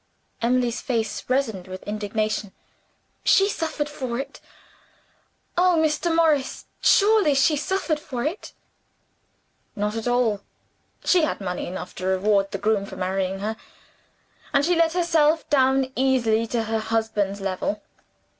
Emily's face reddened with indignation. "She suffered for it? Oh, Mr. Morris, surely she suffered for it?" "Not at all. She had money enough to reward the groom for marrying her; and she let herself down easily to her husband's level.